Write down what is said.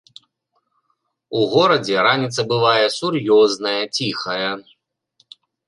У горадзе раніца бывае сур'ёзная, ціхая.